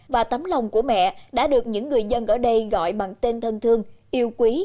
và tấm lòng của mẹ đã được những người dân ở đây gọi bằng tên thân thương yêu quý